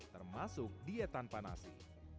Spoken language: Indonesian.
termasuk diet tanpa nasi